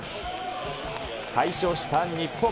快勝した日本。